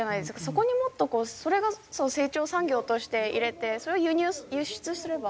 そこにもっとこうそれが成長産業として入れてそれを輸出すれば。